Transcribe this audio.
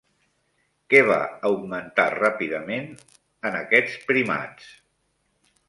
Què va augmentar ràpidament en aquests primats?